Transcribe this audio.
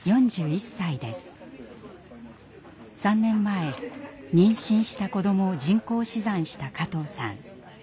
３年前妊娠した子どもを人工死産した加藤さん。